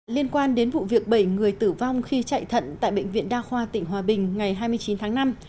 liên quan đến vụ việc bảy người tử vong khi chạy thận tại bệnh viện đa khoa tỉnh hòa bình ngày hai mươi chín tháng năm